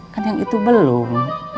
kan yang itu belum